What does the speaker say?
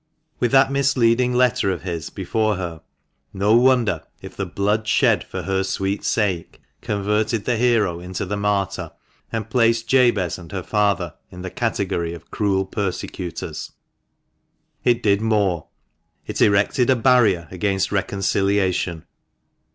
With that misleading letter of his before her, no wonder if the "blood shed for her sweet sake" converted the hero into the martyr, and placed Jabez and her father in the category of cruel persecutors. It did more, It erected a barrier against reconciliation.